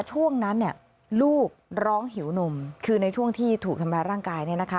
ช่วงนั้นลูกร้องหิวนมคือในช่วงที่ถูกทำร้ายร่างกาย